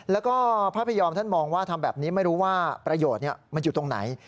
แล้วก็พระพยอมท่านมองว่าทำแบบนี้ไม่รู้ว่าประโยชน์มันอยู่ตรงไหน